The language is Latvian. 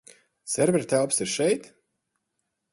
Servera telpas ir šeit?